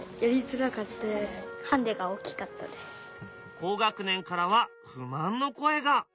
高学年からは不満の声が。